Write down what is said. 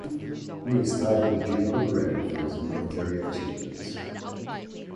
He was titled Duke of Ren for his military achievements.